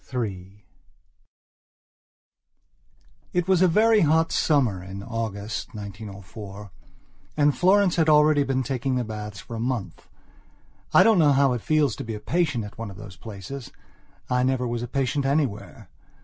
III IT was a very hot summer, in August, 1904; and Florence had already been taking the baths for a month. I don't know how it feels to be a patient at one of those places. I never was a patient anywhere.